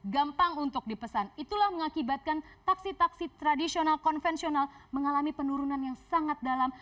gampang untuk dipesan itulah mengakibatkan taksi taksi tradisional konvensional mengalami penurunan yang sangat dalam